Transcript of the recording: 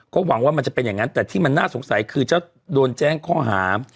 ก็หวังว่ามันจะเป็นอย่างนั้นแต่ที่มันน่าสงสัยคือจะโดนแจ้งข้อหา